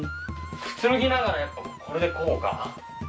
くつろぎながらやっぱこれでこうか。